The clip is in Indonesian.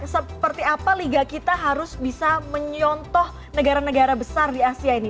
seperti apa liga kita harus bisa menyontoh negara negara besar di asia ini